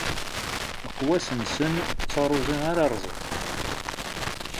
Leqwas-nsen, d taruẓi ara rẓen.